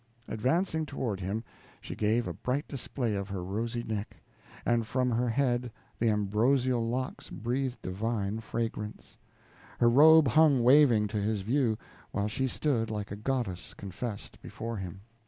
Advancing toward him, she gave a bright display of her rosy neck, and from her head the ambrosial locks breathed divine fragrance; her robe hung waving to his view, while she stood like a goddess confessed before him.